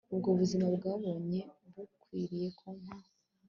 ubwo buzima bwabonye bukwiriye kumpa